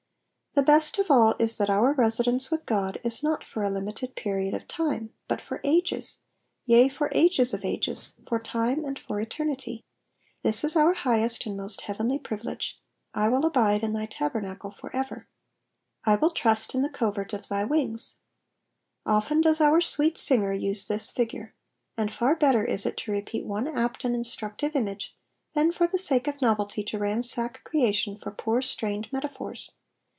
The best of all is that our residence with God is not for a limited period of time, but for ages ; yea, for ages of ages, for time and for eternity : this is our highest and most heavenly privilege, ''^I will abifU in thy tabernacle for ever.'^ / will trust in the covert of thy wings," Often does our sweet singer use this flgure ; and far better is it to repeat one apt and instructive image, than for the sake of novelty to ransack creation for poor, strained metaphors.